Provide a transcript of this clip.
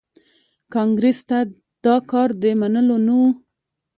کانګریس ته دا کار د منلو نه و.